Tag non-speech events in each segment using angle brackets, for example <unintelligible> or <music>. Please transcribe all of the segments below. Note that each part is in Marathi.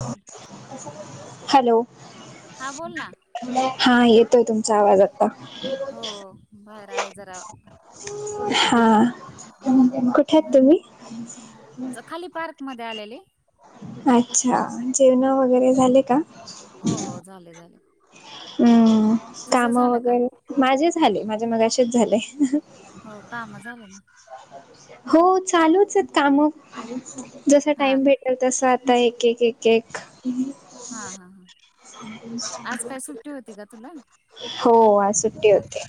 बोलं हॅलो, हा बोल ना हा येतोय तुमचा आवाज आत्ता. हो बाहेर आहे जरा हा कुठे आहेत तुम्ही? जरा खाली पार्कमध्ये आलेले. अच्छा, जेवणं वगैरे झाले का? हो -हो, झाले- झाले. हम्म, तुझं काम झालं का वगैरे माझे झाले, माझे मघाशीच झाले. हो काम झालं ना. हो चालूच आहेत कामं, जसा हा टाइम भेट टेल तसा आता एक- एक, एक -एक. हा -हा, हा आज काय सुट्टी होती का तुला? हो आज सुट्टी होती,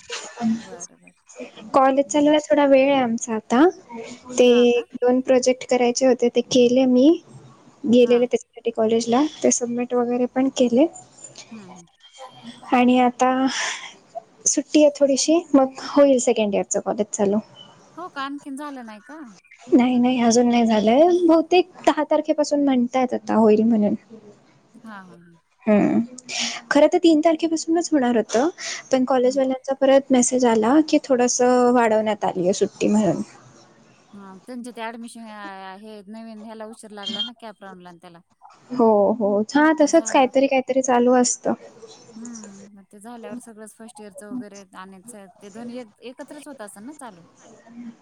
बरं बरं कॉलेज मग चालूये. थोडा वेळ ये आमचा आता ते हा का दोन प्रोजेक्ट करायचे होते ते केले मी हा गेलेले ते त्यासाठी कॉलेजला ते सबमिट वगैरे पण केले. हं-हं आणि आता सुट सुट्टी थोडीशी मग होईल, सेकंड इयरच बहुतेक चालू. हो का आणखीन झालं नाही का? नाही- नाही, अजून नाही झालंय बहुतेक दहा तारखेपासून म्हणतायेतं आता होईल म्हणून. हा- हा, हा हम्म, खरं तर तीन तारखेपासूनच होणार होतं, पण कॉलेज हम्म. वाल्या चा परत मेसेज आला की, थोडस वाढवण्यात आलीय सुट्टी म्हणून हा, त्यांचे ते ऍडमिशन हे नवीन ह्याला उशीर लागला ना कॅप राऊंडला आणि त्येला हो, हो हां तसच कायतरी, कायतरी चालू असतं हम्म म ते झाल्यावर सगळंच फर्स्ट इयरचं वगैरे आणायचं आहेत ते दोन्ही एक, एकत्रच होत असल ना चालू?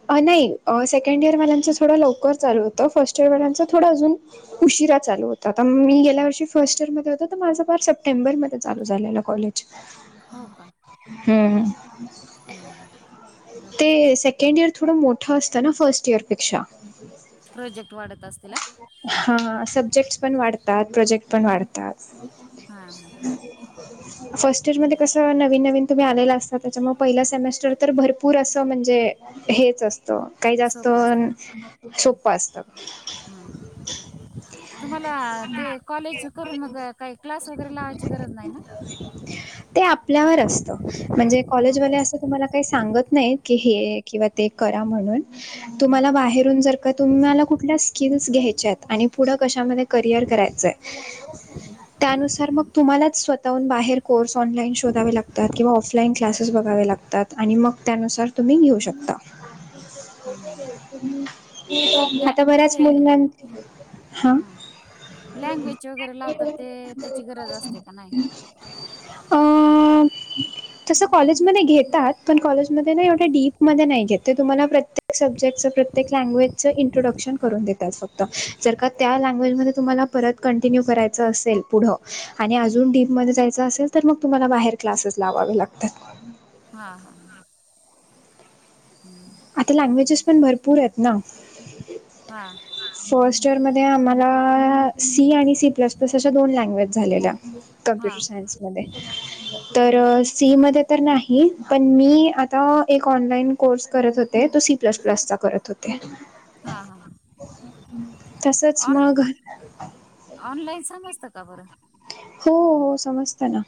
अ, नाही सेकंड <unintelligible> इयरवाल्यांचं थोडं लवकर चालू होत फर्ट ईयर वाल्यांच थोडं अजून उशिरा चालू होतं, आता मी गेल्या वर्षी फर्स्ट इयर मध्ये होते, तर माझा पार सप्टेंबरमध्ये चालू झालेलं कॉलेज हो का हम्म हम्म बाकी? ते सेकंड इयर थोडं मोठं असतं ना, फर्स्ट इयरपेक्षा प्रोजेक्ट वाढतं असतील आ? हा, सब्जेक्ट पण वाढतात, प्रोजेक्ट पण वाढतात. हां हां फर्स्ट इयर मध्ये तर कसं नवीन -नवीन तुम्ही आलेला अस तर त्याच्यामुळ पहिला सेमेस्टर तर भरपूर असं म्हणजे हेच असतं, काही जास्त सोपं सोप्पं असतात हम्म तुम्हाला ते कॉलेज करून मग, काही क्लास वगैरे लावायची गरज नाही ना? ते आपल्यावर असतं. म्हणजे हो कॉलेजवाले असं तुम्हाला काही सांगत नाही, की हे किंवा ते करा म्हणून हम्म तुम्हाला बाहेरून जर का तुम्हाला कुठल्या स्किल्स घ्यायच्यायत आणि पुढं कशामध्ये करिअर करायचं हाय त्यानुसार मग हम्म तुम्हालाच स्वतः हून, बाहेर कोर्स ऑनलाईन शोधावे लागतात किंवा ऑफलाईन क्लासेस बघावे लागतात आणि मग त्यानुसार तुम्ही घेऊ शकता, हम्म लॅ आता बऱ्याच ते <unintelligible> हां लँग्वेजचे वगैरे लावतात ते, त्याची गरज असते का नाय? अं तसं कॉलेजमध्ये घेतात, पण कॉलेजमध्ये ना एवढ डीप मध्ये नाही घेत तुम्हाला प्रत्येक सबजेक्ट प्रत्येक लँग्वेजचं इंट्रडक्न करून देतात फक्त, जर का त्या लँग्वेजमध्ये तुम्हाला परत कंटिन्यू करायचं असेल पुढं आणि अजून डीप मध्ये जायचं असेल तर मग तुम्हाला बाहेर क्लासेस लावावे लागतात. हां हां आता लँग्वेजेस पण भरपूर आहेत ना हां फर्स्ट इयरमध्ये आम्हाला सी आणि सी प्लस अशा दोन लँग्वेज झालेल्या हां कमप्युटर हां सायन्समध्ये तर सी मध्ये तर नाही, पण मी आता एक ऑनलाईन कोर्स करत होते, तो सी प्लस, प्लसचा करत होते. हां हां हां तसच ऑन मग ऑनलाईन समस्त का बरं हो हो समजतना,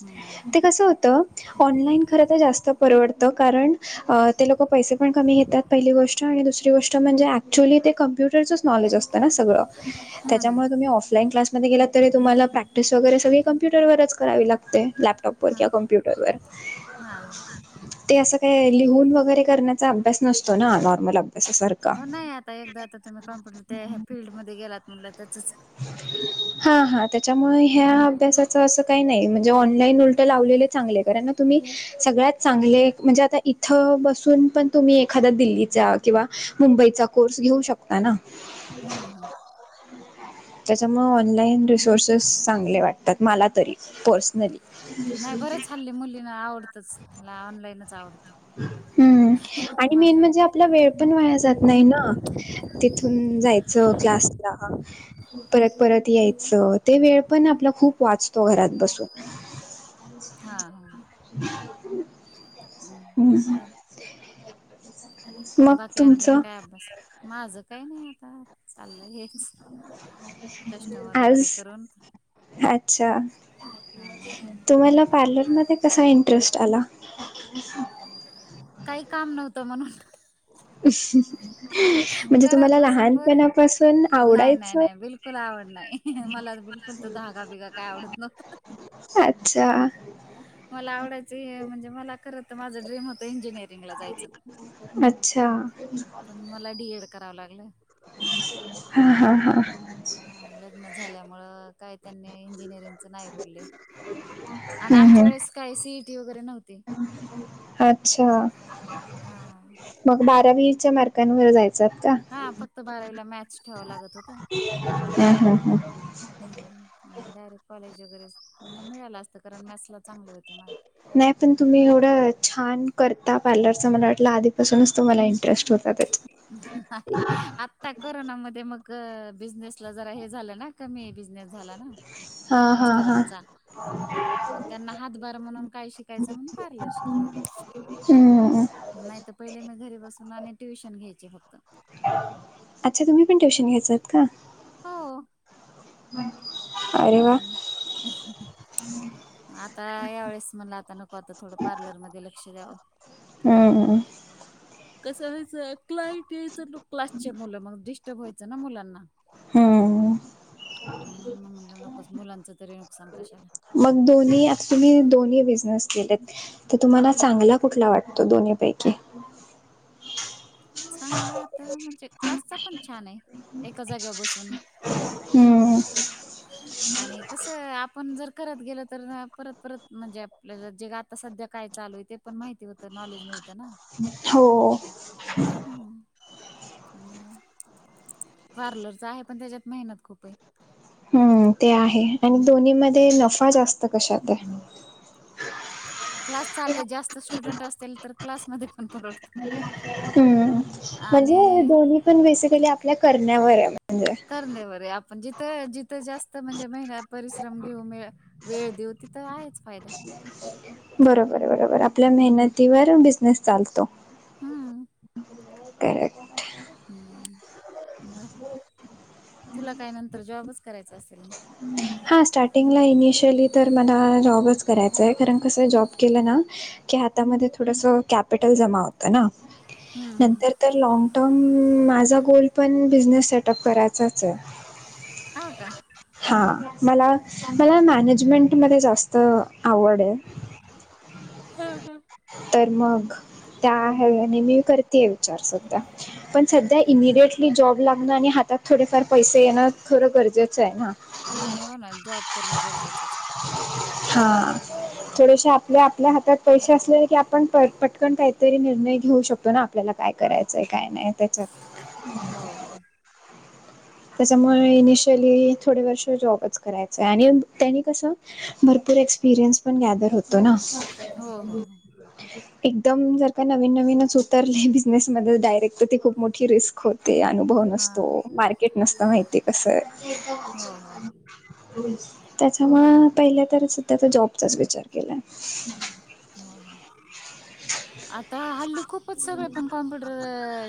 हम्म ते कस होतं ऑनलाईन खरं तर जास्त परवडत कारण ते लोकं पैसे पण कमी घेतात पहिली गोष्ट आणि दुसरी गोष्ट म्हणजे ऍक्च्युअली ते कम्प्युटरच नॉलेज असत ना सगळ, हं हं त्याच्यामुळे तुम्ही ऑफलाईन क्लासमध्ये गेलात तरी तुम्हाला प्रॅक्टी् क्टीस वगैरे सगळी कम्प्युटरवरच करावी लागते लॅपटॉपवर हां किवा कम्प्युटरवर. हां ते असं काय लिहून वगैरे करण्याचा अभ्यास नसतो ना, नॉर्मल अभ्या हो नाही आता एकदा आता तुम्ही कॉम्प्युटर त्या फीलल्डमध्ये गेलात म्हणलं त्याचच हा हा त्याच्या त्याच्यामुळे हं ह्या अभ्यासाचं असं काही नाही म्हणजे ऑनलाईन उलटे लावलेले चांगले आहे कारण तुम्ही सगळ्यात चांगले म्हणजे आता इथं बसून पण तुम्ही एखादा दिल्लीचा किंवा मुंबईचा कोर्स घेऊ शकता ना हं त्याच्यामुळ ऑनलाइन टिवश कोर्सेस चांगले वाटतात मला तरी पर्सनली. नाही बरं हल्ली मुलीना आवडतंच मला ऑनलाईनच आवडतं. हम्म आणि मेन माझ्या म्हणजे आ आपला वेळ पण वायाला जात नाही ना तिथून जायचं क्लासला. परत, परत यायचं ते वेळ पण आपला खूप वाचतो घरात बसून. हा हा. <inaudible> हम्म, मग मग बाकी आणखीन तुमचं? काय अभ्यास माझं काही नाही आता चाललंय हेच. कस्टमर आज, वगैरे करून अच्छा. हां तुम्हाला पार्लरमध्ये कसा इंटरेस्ट आला? अ <inaudible> काही काम नव्हतं म्हणून. अ <inaudible> म्हणजे घरात तुम्हाला बसून लहान बोर पणा पासून नाही नाही आवडायचं? नाही बिलकुल आवड नाही मला बिलकुल तो धागा विगा काय आवडत नव्हता. अच्छा, अच्छा. मला आवडयचं हे म्हणजे मला खरं तर माझं ड्रीम होतं इंजिनिअरिंग अच्छा. पण मला डी एड करावं लागलं. हा हा हा. हा लग्न झाल्यामुळ काय त्यांनी इंजिनिअरिंगच नाही बोलले. आणि हं, आमच्या हं. वेळेस सी ई टी वगैरे नव्हते. अच्छा, मग बारावीच्या मार्कांवर जायचात का? हा फक्त बारावीला मॅच ठेवा लागत होत. हम्म, हम्म, हम्म. आणि डायरेक्ट कॉलेज वगैरे मग मिळालं असतं कारण मॅथ्सला चांगले होते मार्क. नाही पण तुम्ही एवढं छान करता पार्लरच मला वाटलं आदि पासूनच तुम्हाला इंटरेस्ट होता त्याचा. नाही आता करोनामध्ये मग बिझनेस ला जरा हे झालं ना कमी बिझनेस झाला ना मिस्टरांचा. ह <inaudible> मग त्यांना हातभार म्हणून काय शिकायचं म्हणुन पार्लर शिकले. हम्म. नाहीतर पहिले मी घरी बसून आणि ट्युशन घ्यायचे फक्त. अच्छा, तुम्ही पण ट्यूशन घ्याचत का? हो. अरे वा हम्म. आता यावेेळेस म्हणल आता नको आता थोडं पार्लरमध्येध्ये लक्ष द्यावं. हम्म. कसं व्होयच क्लाईट यायचं क्लासचे मुलं मग डिस्टर्ब व्हायचं ना मुलांना. हं. म्हणून मी म्हनलं नकोस, मुलांचं तरी नुकसान कशाला. मग दोन्ही, आता तुम्ही दोन्ही बिझनेस केलेत, त तुम्हाला चांगला कुठला वाटला त दोन्ही पैकी चांगला आ त, म्हणजे क्लासचा पण छान ये, एका जाग्याव बसून. हम्म. आणि कसं, आपण जर करत गेल तर ना, परत-परत म्हणजे, आपल्या जे आता सध्या काय चालू ये ते पण माहिती होत, नॉलेज मिळतं ना? हो. ह <unintelligible> न पार्लरचा आहे, पण त्याच्यात, मेहनत खूप ये. हम्म, ते आहे आणि दोन्ही मध्ये, नफा जास्त कशात ये? क्लास चालले, जास्त स्टुडंट असतील, तर क्लासमध्ये पण परवडतं. हम्म म्हणजे हे दोन्ही पण, बेसिकली आपल्या करण्यावर ये, म्हणजे? करण्यावर ये, आपण जीथं-जिथं जास् त म्हणजे मेहनत परिश्रम घेऊ, म वेळ देऊ, तिथं आहेच फायदा. बरोबर, बरोबर, आपल्या मेहनतीवर, बिझनेस चालतो. हम्म ह <unintelligible> ह्म, ब तुला काय नंतर, जॉबच करायचा असेल ना? हा स्टार्टिंगला, इनिशियली तर मला, जॉबच करायचा, कारण कसं, जॉब केला ना कि हाता मध्ये, थोडंसं कॅपीटल जमा होत ना, हम्म हम्म. नंतर तर लॉन्ग टर्म, माझा गोल पण, बिझनेस सेटअप करायचाच ये. हा का? हा, मला-मला मॅनेजमेंटमध्ये, जास्त आवड ये. <unintelligible> हम् हम्म. तर मग त्या ह्यांनी आणि, मी करतीय विचार सध्या, पण सध्या इमिडिटयली जॉब लग्न आणि हातात थोडेफार पैसे येणं, खरं गरजे चे य, नाही हो ना जॉब करणं गरजेचंच आहे. हां. थोडेसे आपले, आपल्या हातात पैसे असले ना की, आपण पट-पटकन काहीतरी, निर्णय घेऊ शकतो ना? आपल्याला काय करायचंय, काय नाही त्याच्यात. हो हो. त्याच्यामुळे इनिशियली, थोडे वर्ष जॉबच करायचाय आणि त्यांनी कसं भरपूर एक्सपिरियन्स, पण गॅदर होतो ना? हो, हो, हो. एकदम जर का, नवीन-नवीनच उतरले, बिझनेसमध्ये, डायरेक्ट, तर ती खूप मोठी रिस्क होते, अनु भव हां. नसतो, मार्केट नसत माहिती, कसं हो, <unintelligible> त्याच्यामुळ हम्. पहिल्या तरच सुद्धा, जॉबचा विचार केला. हो, हो. <unintelligible> आता हल्ली खूपच सगळे, पण कॉम्प्युटर,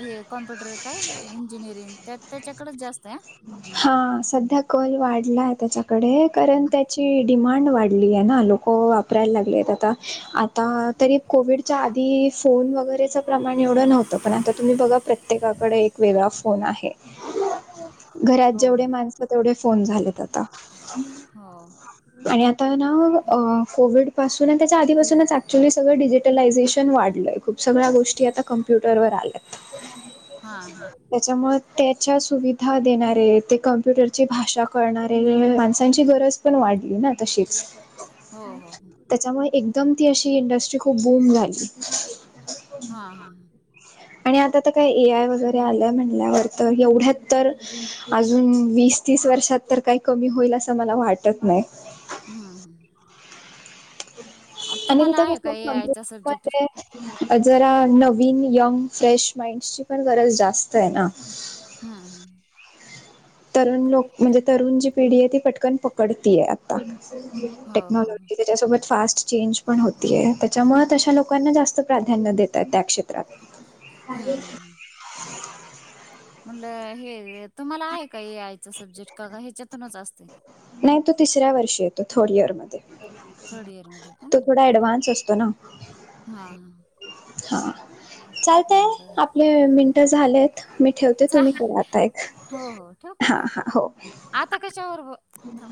हे कॉम्प्युटर काय इंजिनिअरिंग, त्यात त्याच्याकडच जास्त ये अं. हां, सध्या कल वाढलाय त्याच्याकडे, कारण त्याची डिमांड वाढ लिये ना, लोकं वापरायला लागलेत, आता-आता तरी कोविडच्या आधी, फोन वगैरे चं प्रमाण एवढं नव्हतं, पण आता तुम्ही बघा, प्रत्येकाकडे एक वेगळा फोन आहे. घरात हो, जेवढे हो. माणस तेवढे फोन झालेत आता. हो. आणि आता ना अ कोविड पासून आणि त्याच्या आधीपासूनच ऍक्च्युली सगळं डिजिटलायझेशन वाढलंय. खूप सगळ्या गोष्टी आता कम्प्युटरवर आल्यात. हां, हां. त्याच्यामुळ तायच्यासुधा देणारे ते कम्प्युटरची भाषा कळणारे माणसांची गरज पण वाढली ना तशीच. हो हो हो. त्याच्यामुळे एकदम ती अशी इंडस्ट्री खूप बूम झाली. हा हा. आणि आता आता काय ए आय वगैरे आलंय म्हणल्यावर तर एवढ्यात तर अजून वीस तीस वर्षात तर काही कमी होईल असं मला वाटत नाही. हा हा. आणि तुम्हाला तिथं आहे का ए आयचा सब्जेक्ट? कस <unintelligible> जरा नवीन यंग फ्रेश माइंडची पण गरज जास्त आहे ना. हम्म हम. तरुण लोक म्हणजे तरुण जी पिढी आहे ती पटकन पकडती आहे. हो, हो, हो. टेक्नॉलॉजी त्याच्यासोबत फास्ट चेंज. पण होतीय त्याच्यामुळे तशा लोकांना जास्त प्राधान्य देतात त्या क्षेत्रात. हम हम. <inaudible> म्हटलं हे तुम्हाला आहे का ए आयच सब्जेक्ट का का ह्याच्यातूनच असतय. नाही तो तिसऱ्या वर्षी येतो थर्ड इर मध्ये. थर्ड इयरमध्ये तो थोडा ऍडव्हान्स असतो ना. हा हा. हां. चालतय बरं. आपले मिनटं झालेत मी ठेवते तुम्ही चालेल. करा आता एक. हो ठेवुका हा हा हो. आता कशावर थ